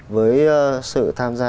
với sự tham gia